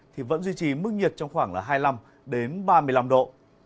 thì vẫn duy trì mức nhiệt trong khoảng là hai mươi năm ba mươi năm độ